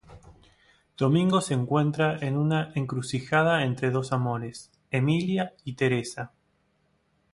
Domingo se encuentra en una encrucijada entre dos amores, Emilia y Teresa.